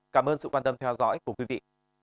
cảm ơn sự quan tâm theo dõi của quý vị